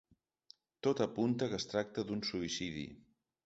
Tot apunta que es tracta d’un suïcidi.